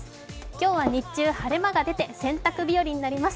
今日は日中、晴れ間が出て、洗濯日和となります。